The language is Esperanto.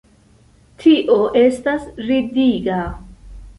Tio estas ridiga.